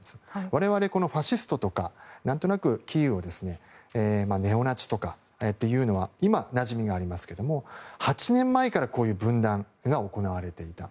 我々ファシストとか何となくキーウをネオナチとかと言うのはなじみがありますが８年前から、こういう分断が行われていた。